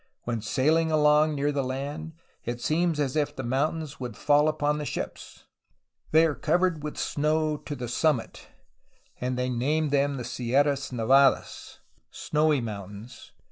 When sailing along near the land, it seems as if the mountains would fall upon the ships. They are covered with snow to the summit, and they named them the Sierras Nevadas.